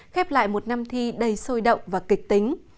khép lại một năm thi đầy sôi động và kịch tính